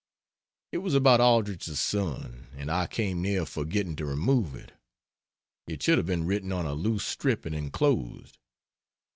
It was about Aldrich's son, and I came near forgetting to remove it. It should have been written on a loose strip and enclosed.